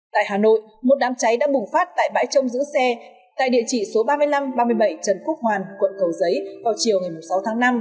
tại hà nội một đám cháy đã bùng phát tại bãi trông giữ xe tại địa chỉ số ba mươi năm ba mươi bảy trần quốc hoàn quận cầu giấy vào chiều ngày sáu tháng năm